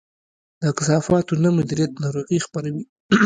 د کثافاتو نه مدیریت ناروغي خپروي.